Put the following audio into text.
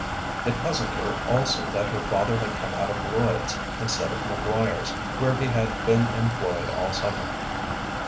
It puzzled her also that her father had come out of Lloyd's instead of McGuire's, where he had been employed all summer.